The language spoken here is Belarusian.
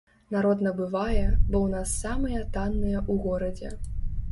Народ набывае, бо ў нас самыя танныя ў горадзе.